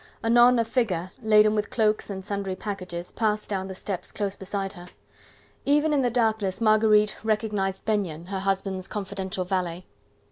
Anon a figure, laden with cloaks and sundry packages, passed down the steps close beside her. Even in the darkness Marguerite recognized Benyon, her husband's confidential valet.